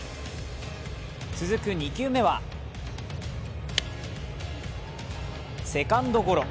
続く２球目はセカンドゴロ。